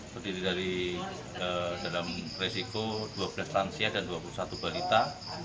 berdiri dalam resiko dua belas transia dan dua puluh satu balita